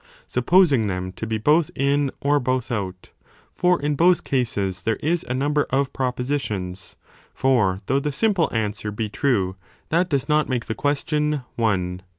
supposing them to be both in or both out : for in both cases there is a number of propositions : for though the simple answer be true, that 10 does not make the question one.